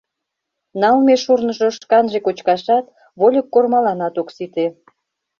Налме шурныжо шканже кочкашат, вольык кормаланат ок сите.